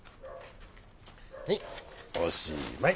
はいおしまい。